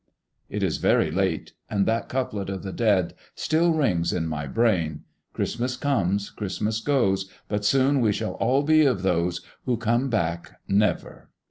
It is very late, and that couplet of the dead still rings in my brain, "Christmas comes, Christmas goes; But soon we all shall be of those Who come back never!"